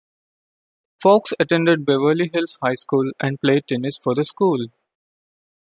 Fox attended Beverly Hills High School, and played tennis for the school.